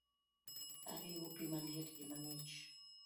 Ariwo pi maliet gi mang’ich